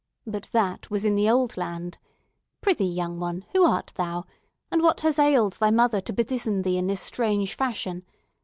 But that was in the old land. Prithee, young one, who art thou, and what has ailed thy mother to bedizen thee in this strange fashion?